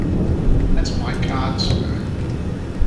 That’s my card, sir.